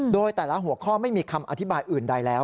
โดยแต่ละหัวข้อไม่มีคำอธิบายอื่นใดแล้ว